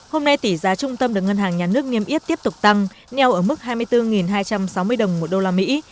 hôm nay tỷ giá trung tâm được ngân hàng nhà nước niêm yết tiếp tục tăng nheo ở mức hai mươi bốn hai trăm sáu mươi đồng một đô la mỹ